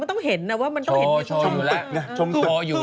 มันต้องเห็นว่ามันต้องเห็นวิวชมตึกนี่ชมตึก